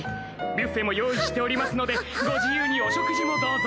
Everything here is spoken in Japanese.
ビュッフェも用意しておりますのでご自由にお食事もどうぞ。